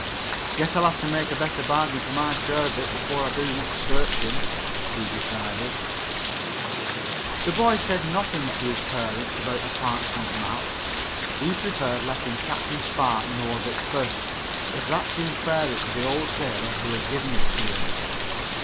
"Guess I'll have to make a better bargain for my share of it before I do much searching," he decided. The boy said nothing to his parents about the parchment map. He preferred letting Captain Spark know of it first, as that seemed fairer to the old sailor who had given it to him.